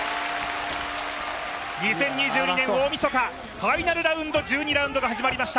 ２０２２年大みそか、ファイナルラウンド１２ラウンドが始まりました。